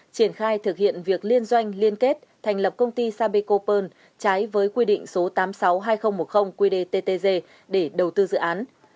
triển khai thực hiện việc liên doanh liên kết thành lập công ty sapeco perl trái với quy định số tám trăm sáu mươi hai nghìn một mươi qdttg để đầu tư dự án